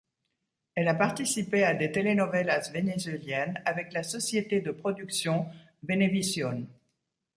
Elle a participé à des telenovelas vénézuéliennes avec la société de production Venevisión.